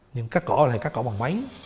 nhưng cắt cỏ là cắt cỏ bằng máy